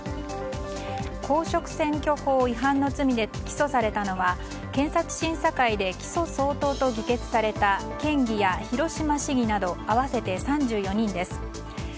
公職選挙法違反の罪で起訴されたのは検察審査会で起訴相当と議決された県議や広島市議など合わせて３４人です。